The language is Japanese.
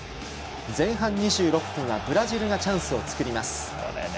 前半２６分はブラジルがチャンスを作ります。